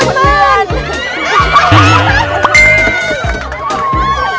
กรุงเทพค่ะ